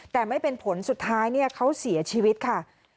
แต่ไม่เป็นผลสุดท้ายเขาเสียชีวิตค่ะ